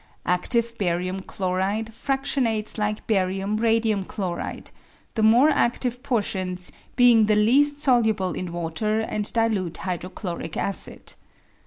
Adive barium chloride fradionates like barium radium chloride, the more adive portions being the least soluble in water and dilute hydrochloric acid.